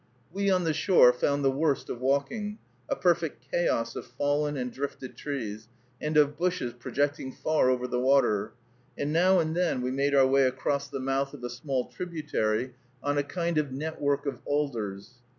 We on the shore found the worst of walking, a perfect chaos of fallen and drifted trees, and of bushes projecting far over the water, and now and then we made our way across the mouth of a small tributary on a kind of network of alders.